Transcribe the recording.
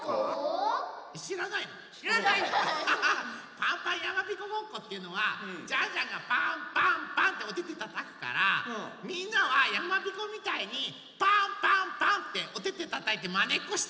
パンパンやまびこごっこっていうのはジャンジャンがパンパンパンっておててたたくからみんなはやまびこみたいにパンパンパンっておててたたいてまねっこして。